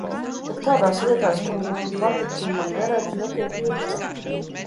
Tak tādās vietās, kur man patiktu un man derētu netieku iekšā.